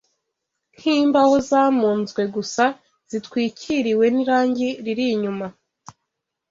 nk’imbaho zamunzwe gusa zitwikiriwe n’irangi riri inyuma